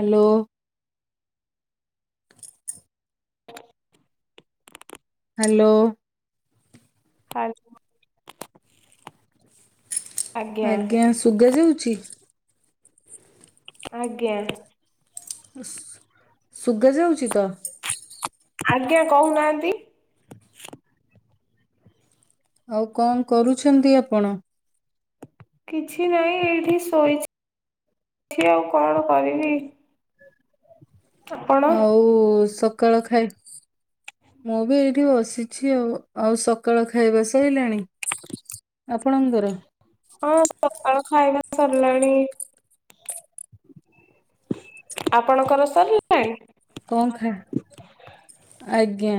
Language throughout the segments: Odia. ହାଲୋ। ହାଲୋ। [inaudible] ଆଜ୍ଞା ଶୁଗା ଯାଉଚି। ଆଜ୍ଞା। ଶୁ ସୁଗା ଯାଉଛି ତ। ଆଜ୍ଞା କହୁନାହାନ୍ତି। ଆଉ କଣ କରୁଛନ୍ତି ଆପଣ। କିଛି ନାହିଁ ଏଇଠି ଶୋଇ ଛି ଆଉ କଣ କରିବି। ଆପଣ। କଳ ଖାଇ ମୁଁ ବି ଏଇଠି ବସିଚି ଆଉ ଆଉ ସକାଳ ଖାଇବା ସଇଲାଣି। ଆପଣଙ୍କର। ହଁ ସକାଳ ଖାଇବା ସରିଲାଣି। ଆପଣଙ୍କର ସରିଲଣି। କଣ ଖା ଆଜ୍ଞା।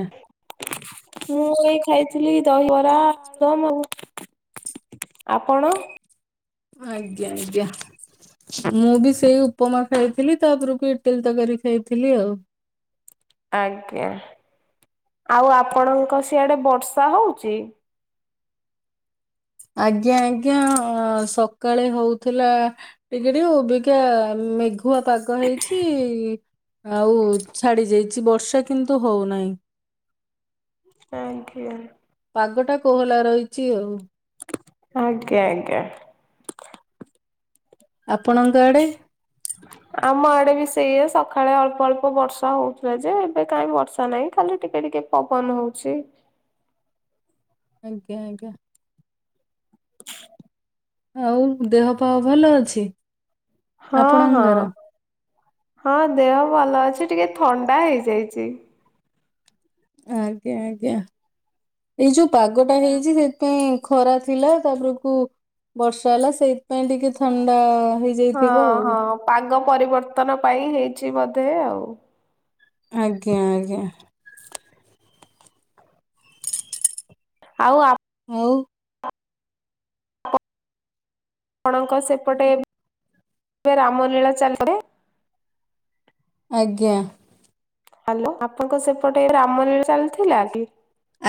ମୁଁ ଏଇ ଖାଇଥିଲି ଦହିବରା ଆଳୁ ଦମ୍ ଏମିତି ଆପଣ। ଆଜ୍ଞା ଆଜ୍ଞା। ମୁଁ ବି ସେଇ ଉପମା ଖାଇଥିଲି ତାପରକୁ ଇଟଲୀ ତକାରୀ ଖାଇଥିଲି ଆଉ। ଆଜ୍ଞା ଆଉ ଆପଣଙ୍କ ସିଆଡେ ବର୍ଷା ହଉଚି। ଆଜ୍ଞା ଆଜ୍ଞା ସକାଳେ ହଉଥିଲା ଟିକେ ଟିକେ ଓବିକା ମେଘୁଆ ପାଗ ହେଇଚି ଆଉ ଛାଡି ଯାଇଚି ବର୍ଷା କିନ୍ତୁ ହଉନାହିଁ। ଆ ଜ୍ଞା। ପାଗଟା କୋହଲା ରହିଚି ଆଉ। ଆଜ୍ଞା ଆଜ୍ଞା। ଆପଣଙ୍କ ଆଡେ। ଆମ ଆଡେ ବି ସେଇଆ ସକାଳେ ଅଳ୍ପ ଅଳ୍ପ ବର୍ଷା ହଉଥିଲା ଯେ ଏବେ କାହିଁ ବର୍ଷା ନାହିଁ ଖାଲି ଟିକେ ଟିକେ ପବନ ହଉଚି। ଆଜ୍ଞା ଆଜ୍ଞା। ଆଉ ଦେହ ପା ଭଲ ଅଛି। ହଁ ହଁ ଆପଣଙ୍କର ହଁ ଦେହ ଭଲ ଅଛି ଟିକେ ଥଣ୍ଡା ହେଇଯାଇଚି। ଆଜ୍ଞା ଆଜ୍ଞା ଏଇ ଯୋଉ ପାଗଟା ହେଇଛି ସେଥିପାଇଁ ଖରା ଥିଲା ତାପରକୁ ବର୍ଷା ହେଲା ସେଇଥିପାଇଁ ଟିକେ ଥଣ୍ଡା ହେଇ ଯାଇଥିବ ହଁ ହଁ ଆଉ। ପାଗ ପରିବର୍ତ୍ତନ ପାଇଁ ହେଇଛି ବୋଧେ ଆଉ। ଆଜ୍ଞା ଆଜ୍ଞା। ଆଉ ଆ ଆଉ ଆପଣଙ୍କ ସେପଟେ ରାମ ଲୀଳା ଚାଲେ। ଆଜ୍ଞା। ହାଲୋ ଆପଣଙ୍କ ସେପଟେ ଏ ରାମଲୀଳା ଚାଲିଥିଲା କି?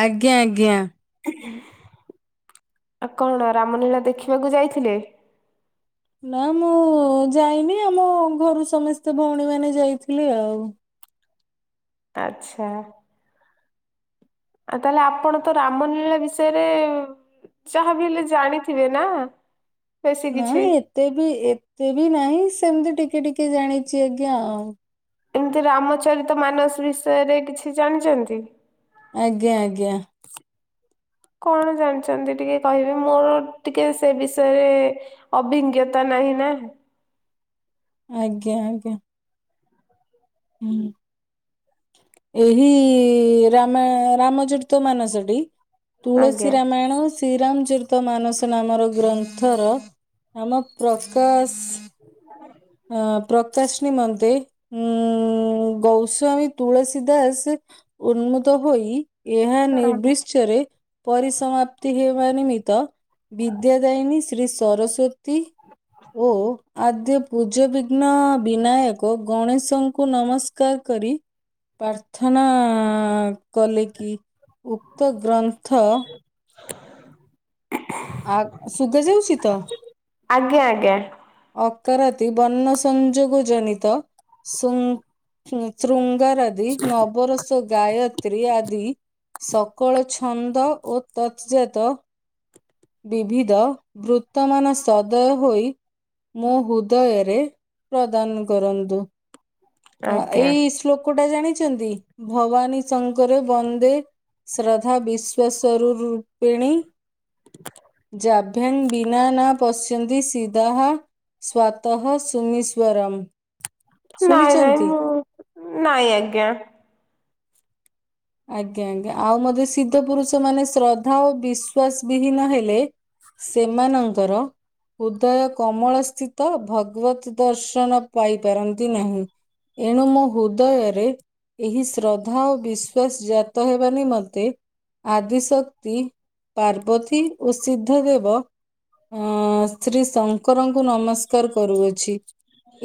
ଆଜ୍ଞା ଆଜ୍ଞା। ଆଉ କଣ ରାମଲୀଳା ଦେଖିବାକୁ ଯାଇଥିଲେ? ନା ମୁଁ ଯାଇନି ଆମ ଘରୁ ସମସ୍ତେ ଭୋଉଣୀ ମାନେ ଯାଇଥିଲେ ଆଉ। ଆଚ୍ଛା। ଆଉ ତାହେଲେ ଆପଣ ତ ରାମ ଲୀଳା ବିଷୟରେ ଯାହାବି ହେଲେ ଜାଣିଥିବେ ନା। ବେଶୀ କିଛି। ନାଁଇ ଏତେ ବି ଏତେ ବି ନାହିଁ ସେମିତି ଟିକେ ଟିକେ ଜାଣିଚି ଆଜ୍ଞା ଆଉ। ଏମିତି ରାମଚରିତ ମାନସ ବିଷୟରେ କିଛି ଜାଣିଚନ୍ତି? ଆଜ୍ଞା ଆଜ୍ଞା। କଣ ଜାଣିଚନ୍ତି ଟିକେ କହିବେ ମୋର ଟିକେ ସେ ବିଷୟରେ ଅଭିଜ୍ଞତା ନାହିଁ ନା। ଆଜ୍ଞା ଆଜ୍ଞା। ହୁଁ। ଏହି ରାମାୟ ରାମଚରିତ ମାନସଟି ଆଜ୍ଞା ତୁଳସୀ ରାମାୟଣ ଶ୍ରୀରାମଚରିତ ମାନସ ନାମର ଗ୍ରନ୍ଥର ଆମ ପ୍ରକାଶ ଆଁ ପ୍ରକାଶ ନିମନ୍ତେ ଉଁ ଗୋସ୍ୱାମୀ ତୁଳସୀ ଦାସେ ଉନ୍ମୁତ ହୋଇ ଏହା ନିର୍ବିଶ୍ଚରେ ପରିସମାପ୍ତି ହେବା ନିମିତ୍ତ ବିଦ୍ୟା ଦାୟିନୀ ଶ୍ରୀ ସରସ୍ଵତୀ ଓ ଆଦ୍ୟ ପୂଜ୍ୟ ବିିଘ୍ନ ବିନାୟକ ଗଣେଶଙ୍କୁ ନମସ୍କାର୍ କରି। ପ୍ରାର୍ଥନା କଲେ କିି ଉକ୍ତ ଗ୍ରନ୍ଥ [unintelligible] ଆକ୍ ଶୁବାଯାଉଚି ତ? ଆଜ୍ଞା ଆଜ୍ଞା। ଅକାରତି ବର୍ଣ୍ଣ ସଂଯୋଗ ଜନିତ ସୁନ୍ ଶୃଙ୍ଗାର ଆଦି ନବରସ ଗାୟ ତ୍ରୀ ଆଦି ସକଳ ଛନ୍ଦ ଓ ତତ୍ ଜାତ ବିବିଧ ବୃତ୍ତମାନ ସଦୟ ହୋଇ ମୋ ହୁଦୟରେ ପ୍ରଦାନ୍ କରନ୍ତୁ। ହଁ ଆଜ୍ଞା ଏଇ ଶ୍ଳୋକ ଟା ଜାଣିଚନ୍ତି? ଭବାନୀ ଶଙ୍କର ବନ୍ଦେ ଶ୍ରଦ୍ଧା ବିଶ୍ୱାସୋରୁ ରୂପେଣୀ [unintelligible] ଜାଭ୍ୟାମ୍ ବିନାନା ପଶ୍ୟନ୍ତି ସିଦା ହାଃ ସ୍ୱାଦଃ ସୁମିଶ୍ୱରାମ୍। ଶୁଣି ଚନ୍ତି? [inaudible] ନାଇଁ ଆଜ୍ଞା। ଆଜ୍ଞା ଆଜ୍ଞା ଆଉ ମଧ୍ୟ ସିଦ୍ଧ ପୁରୁଷମାନେ ଶ୍ରଦ୍ଧା ଓ ବିଶ୍ୱାସ ବିହୀନ ହେଲେ ସେମାନଙ୍କର ଉଦୟ କମଳ ସ୍ଥିତ ଭଗବତ୍ ଦର୍ଶନ ପାଇ ପାରନ୍ତି ନାହିଁ। ଏଣୁ ମୋ ହୃଦୟରେ ଏହି ଶ୍ରଦ୍ଧା ଓ ବି ଶ୍ଵାସ ଜାତ ହେବା ନିିମନ୍ତେ ଆଦିଶକ୍ତି ପାର୍ବତୀ ଓ ସିଦ୍ଧ ଦେବ ଅଁ ଶ୍ରୀ ଶଙ୍କରଙ୍କୁ ନମସ୍କାର୍ କରୁଅଛି।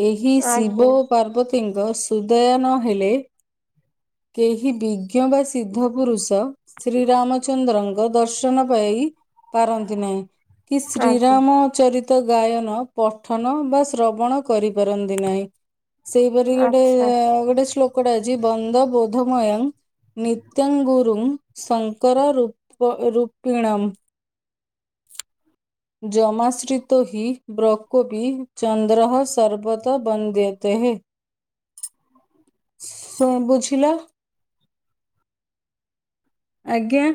ଏହି ଶିବ ଆଜ୍ଞା ଓ ପାର୍ବତୀ ଙ୍କ ସୁଦୟ ନ ହେଲେ କେହି ବି ବିଜ୍ଞ ବା ସିଦ୍ଧ ପୁରୁଷ ଶ୍ରୀରାମଚନ୍ଦ୍ରଙ୍କ ଦର୍ଶନ ପାଇ ପାରନ୍ତି ନାହିଁ କି ଆଜ୍ଞା ଶ୍ରୀରାମ ଚରି ତ ଗାୟନ, ପଠନ ବା ଶ୍ରବଣ କରିପାରନ୍ତି ନାହିଁ। ସେଇପରି ଗୋଟେ ଆଚ୍ଛା ଗୋଟେ ଶ୍ଳୋକଟେ ଅଛି ବନ୍ଦ ବୋଧମୟଙ୍ଗ ନିିତ୍ୟ ଗୁରୁମ୍ ଶଙ୍କରପ୍ ରୂପ ରୂପିଣମ୍। ଯମାଶ୍ରିିତ ହିଃ ବ୍ରକୋପି ଚନ୍ଦ୍ରଃ ସର୍ବତ ବନ୍ଦ୍ୟତେହେଃ। ଶ ବୁଝିଲ? ଆଜ୍ଞା।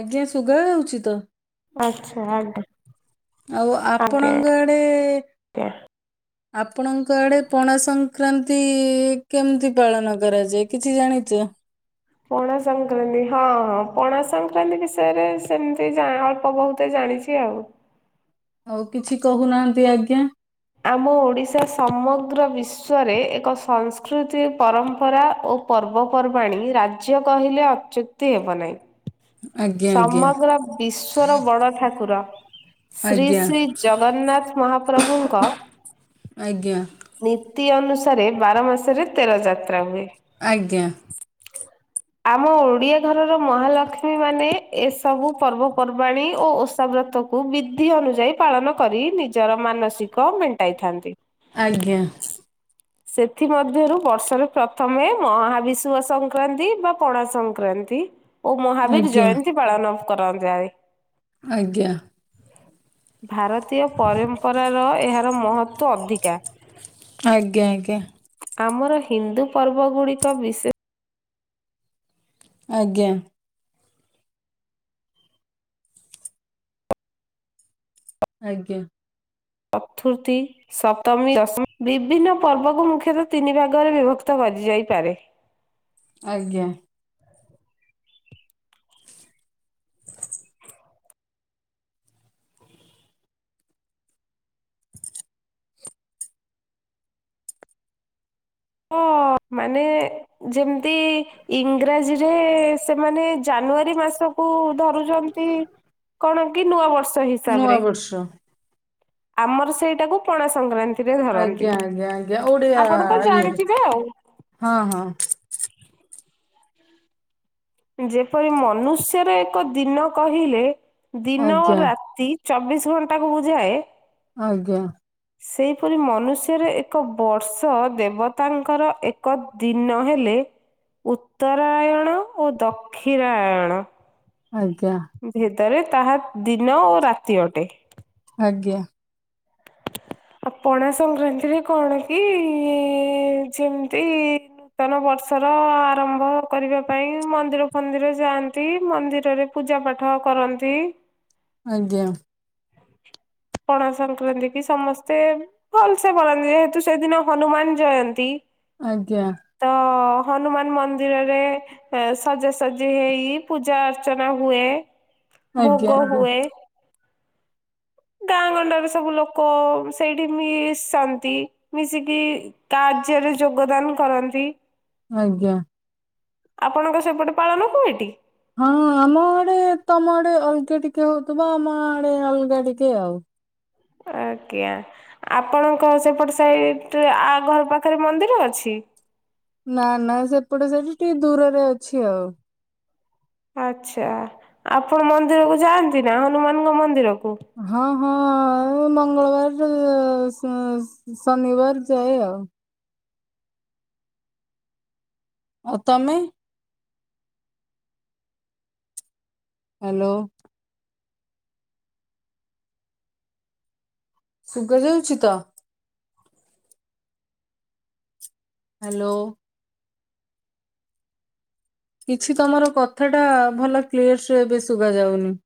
ଆଜ୍ଞା ଶୁବା ଯାଉଚି ତ? ଆଚ୍ଛା ଆଜ୍ଞା ଆଉ ଆଜ୍ଞା ଆପଣଙ୍କ ଆଡେ ଆଜ୍ଞା ଆପଣଙ୍କ ଆଡ଼େ ପଣା ସଂକ୍ରାନ୍ତି କେମିତି ପାଳନ କରାଯାଏ କିଛି ଜାଣିଚ? ପଣା ସଂକ୍ରାନ୍ତି ହଁଁ ହଁ ପଣା ସଂକ୍ରାନ୍ତି ବିଷୟରେ ସେମିତି ଅଳ୍ପ ବହୁତେ ଜାଣିଛି। [unintelligible] ଆଉ କିଛି କହୁନାହାନ୍ତି ଆଜ୍ଞା? ଆମ ଓଡ଼ିଶା ସମଗ୍ର ବିଶ୍ଵରେ ଏକ ସଂସ୍କୃତି ପରମ୍ପରା ଓ ପର୍ବପର୍ବାଣି ରାଜ୍ୟ କହିଲେ ଅଚ୍ୟୁକ୍ତି ହେବ ନାହିଁ। ଆଜ୍ଞା ସମଗ୍ର ବିଶ୍ଵର ବଡ଼ ଠାକୁର ଶ୍ରୀ ଆଜ୍ଞା ଶ୍ରୀ ଜଗନ୍ନାଥ ମହାପ୍ରଭୁଙ୍କ ଆଜ୍ଞା। ନୀତି ଅନୁସାରେ ବାର ମାସରେ ତେର ଯାତ୍ରା ହୁଏ। ଆଜ୍ଞା। ଆମ ଓଡ଼ିଆ ଘରର ମହାଲକ୍ଷ୍ମୀ ମାନେ ଏସବୁ ପର୍ବପର୍ବାଣୀ ଓ ଓଷା ବ୍ରତ କୁ ବିଧି ଅନୁଯାୟୀ ପାଳନ କରି ନିଜର ମାନସିକ ମେଣ୍ଟାଇଥାନ୍ତି। ଆଜ୍ଞା। ସେଥିମଧ୍ୟରୁ ବର୍ଷରେ ପ୍ରଥମେ ମହାବିଷୁବ ସଂକ୍ରାନ୍ତି ବା ପଣାସଂକ୍ରାନ୍ତି ଓ ମହାବୀର ଜୟନ୍ତୀ ପାଳନ କରାଯାଏ। ଆଜ୍ଞା। ଭାରତୀୟ ପରମ୍ପରାର ଏହାର ମହତ୍ତ୍ଵ ଅଧିକା। ଆଜ୍ଞା ଆଜ୍ଞା। ଆମର ହିନ୍ଦୁ ପର୍ବଗୁଡିକ ବିଶେ ଆଜ୍ଞା। ଆଜ୍ଞା। ପତୁର୍ଥୀ ସପ୍ତମୀ ଦଶମୀ ବିଭିନ୍ନ ପର୍ବକୁ ମୁଖ୍ୟତଃ ତିନି ଭାଗରେ ବିଭକ୍ତ କରାଯାଇପାରେ। ଆଜ୍ଞା। ହ ମାନେ ଯେମତି ଇଂରାଜୀରେ ସେମାନେ ଜାନୁଆରୀ ମାସକୁ ଧରୁଛନ୍ତି କଣ କି ନୂଆ ବର୍ଷ ନୂଆ ହିସାବରେ ବର୍ଷ ଆମର ସେଇଟାକୁ ପଣାସଂକ୍ରାନ୍ତିରେ ଧରନ୍ତି ଆଜ୍ଞା ଆଜ୍ଞା ଆଜ୍ଞା ଓଡିଆ ଆପଣ ତ ଜାଣି ଇଏରେ ଥିବେ ଆଉ। ହଁ ହଁ। ଯେପରି ମନୁଷ୍ୟରେ ଏକ ଦିନ କହିଲେ ଦିନ ଓ ଆଜ୍ଞା ରାତି ଚବିଶ ଘଣ୍ଟାକୁ ବୁଝାଏ। ଆଜ୍ଞା। ସେଇପରି ମନୁଷ୍ୟରେ ଏକ ବର୍ଷ ଦେବତାଙ୍କର ଏକ ଦିନ ହେଲେ ଉତ୍ତରାୟଣ ଓ ଦକ୍ଷିଣାୟଣ ଆଜ୍ଞା। ଭେଦରେ ତାହା ଦିନ ଓ ରାତି ଅଟେ। ଆଜ୍ଞା। ଆ ପଣାସଂକ୍ରାନ୍ତିରେ କଣ କି ଯେମତି ନୂତନବର୍ଷର ଆରମ୍ଭ କରିବା ପାଇଁ ମନ୍ଦିର ଫନ୍ଦିର ଯାଆନ୍ତି ମନ୍ଦିରରେ ପୂଜାପାଠ କରନ୍ତି। ଆଜ୍ଞା। ପଣାସଂକ୍ରାନ୍ତି କି ସମସ୍ତେ ଭଲସେ ପାଳନ୍ତି ଯେହେତୁ ସେଦିନ ହନୁମାନ ଜୟନ୍ତୀ ଆଜ୍ଞା। ତ ହନୁମାନ ମନ୍ଦିରରେ ହେ ସଜାସଜି ହେଇ ପୂଜା ଅର୍ଚ୍ଚନା ହୁଏ ଆଜ୍ଞା ଭୋଗ ହୁଏ ଗାଁ ଗଣ୍ଡାରୁ ସବୁ ଲୋକ ସେଇଠି ମିଶନ୍ତି ମିଶିକି କାର୍ଯ୍ୟରେ ଯୋଗଦାନ କରନ୍ତି ଆଜ୍ଞା। ଆପଣଙ୍କ ସେପଟେ ପାଳନ ହୁଏ ଟି? ହଁ ଆମ ଆଡେ ତମ ଆଡେ ଅଲଗା ଟିକେ ହଉଥିବ ଆମ ଆଡେ ଅଲଗା ଟିକେ ଆଉ। ଆଜ୍ଞା ଆପଣଙ୍କ ସେପଟେ ସାଇଟରେ ଆ ଘର ପାଖରେ ମନ୍ଦିର ଅଛି? ନା ନା ସେପଟେ ସାଇଟ୍ ଟିକେ ଦୂରରେ ଅଛି ଆଉ। ଆଚ୍ଛା ଆପଣ ମନ୍ଦିରକୁ ଯାଆନ୍ତି ନା ହନୁମାନଙ୍କ ମନ୍ଦିରକୁ? ହଁ ହଁ ମଙ୍ଗଳବାର ଶନିବାର ଯାଏ ଆଉ। ଆଉ ତମେ? ହାଲୋ। ଶୁବାଯାଉଛି ତ ହାଲୋ। କିଛି ତମର କଥାଟା ଭଲ କ୍ଲିୟରସେ ଏବେ ଶୁବା ଯାଉନି।